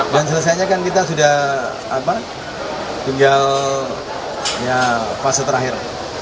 dan selesainya kan kita sudah tinggal fase terakhir